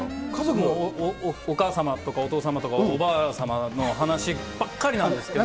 もうお母様とか、お父様とか、おばあ様の話ばっかりなんですけど。